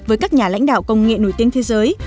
với các nhà lãnh đạo công nghệ nổi tiếng thế giới